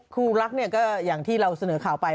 คุณรักอย่างที่เราเสนอข่าวไป